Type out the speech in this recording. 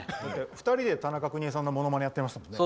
２人で田中邦衛さんのものまねをやってましたもんね。